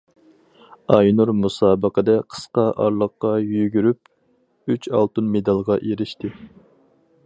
ئاينۇر مۇسابىقىدە قىسقا ئارىلىققا يۈگۈرۈپ ئۈچ ئالتۇن مېدالغا ئېرىشتى.